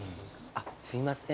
すいません。